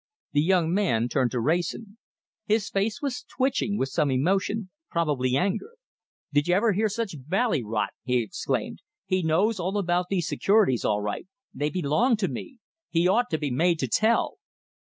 The young man turned to Wrayson. His face was twitching with some emotion, probably anger. "Did you ever hear such bally rot!" he exclaimed. "He knows all about these securities all right. They belong to me. He ought to be made to tell."